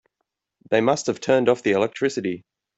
They must have turned off the electricity.